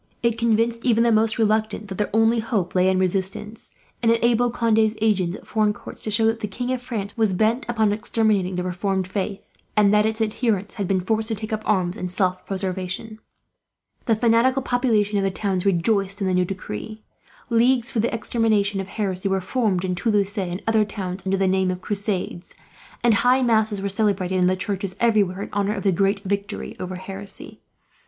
It convinced even the most reluctant that their only hope lay in resistance; and enabled Conde's agents, at foreign courts, to show that the King of France was bent upon exterminating the reformed faith, and that its adherents had been forced to take up arms, in self preservation. The fanatical populations of the towns rejoiced in the new decree. Leagues for the extermination of heresy were formed, in Toulouse and other towns, under the name of Crusades; and high masses were celebrated in the churches, everywhere, in honour of the great victory over heresy.